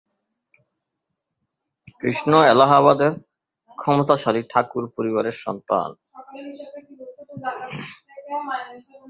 কৃষ্ণ এলাহাবাদের ক্ষমতাশালী ঠাকুর পরিবারের সন্তান।